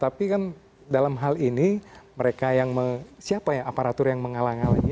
tapi kan dalam hal ini mereka yang siapa ya aparatur yang menghalang halangi